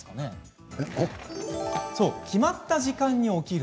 決まった時間に起きる。